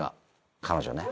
彼女ね。